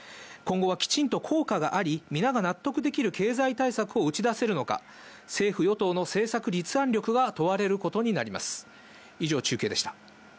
今後はきちんと効果があり、皆が納得できる経済対策を打ち出せるのか、政府・与党の政策立案力が問われることになります。